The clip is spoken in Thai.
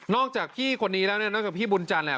นอกจากพี่คนนี้แล้วแล้วนอกจากพี่บุญจันทร์